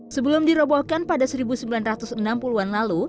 sebelum dirobohkan pada seribu sembilan ratus enam puluh an lalu